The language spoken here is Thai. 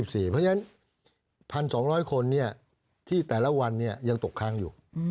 เพราะฉะนั้น๑๒๐๐คนที่แต่ละวันยังตกค้างอยู่